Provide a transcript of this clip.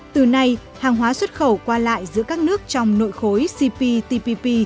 từ nay hàng hóa xuất khẩu qua lại giữa các nước trong nội khối cptpp